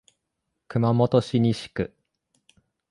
熊本市西区